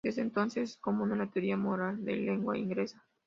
Desde entonces es común en la teoría moral de lengua inglesa.